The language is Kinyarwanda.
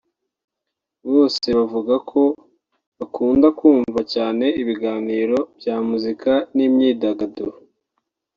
bose bavuga ko bakunda kumva cyane ibiganiro bya muzika n’imyidagaduro